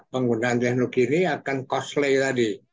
penggunaan teknologi ini akan cosplay tadi